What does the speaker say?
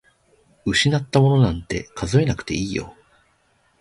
失ったものなんて数えなくていいよ。